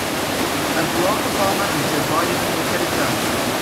And Barack Obama and Joe Biden will get it done.